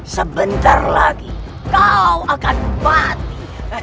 sebentar lagi kau akan mati